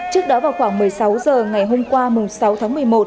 trước đó vào khoảng một mươi sáu h ngày hôm qua sáu tháng một mươi một